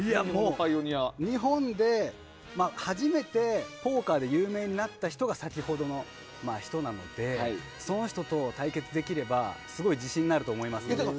日本で初めてポーカーで有名になった人が先ほどの人なのでその人と対決できればすごい自信になると思います。